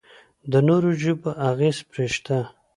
د نورو ژبو اغېز پرې شته.